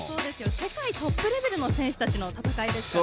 世界トップレベルの選手たちの戦いですからね。